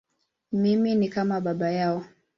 Mimi ni kama baba yao.